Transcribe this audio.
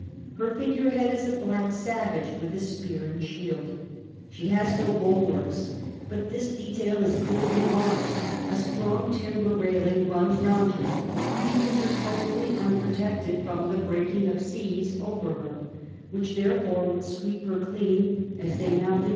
Her figurehead is a black savage with a spear and sliield ; she has no bulwarks, but — ^this detail is clearly wrong — a strong timber railing runs round her, leaving her totally unprotected from the breaking of seas over her, which, therefore, would sweep her clean as they now do 96 CAPTAIN COOK CHAP.